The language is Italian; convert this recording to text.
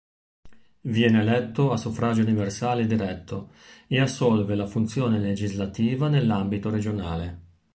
Viene eletto a suffragio universale diretto e assolve la funzione legislativa nell'ambito regionale.